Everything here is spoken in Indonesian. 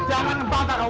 jangan ngebantah kamu